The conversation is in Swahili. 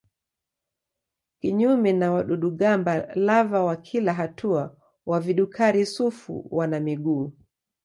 Kinyume na wadudu-gamba lava wa kila hatua wa vidukari-sufu wana miguu.